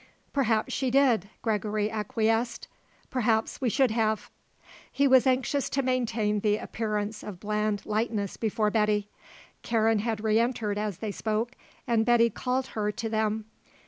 "Perhaps she did," Gregory acquiesced. "Perhaps we should have." He was anxious to maintain the appearance of bland lightness before Betty. Karen had re entered as they spoke and Betty called her to them.